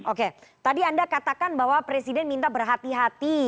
oke tadi anda katakan bahwa presiden minta berhati hati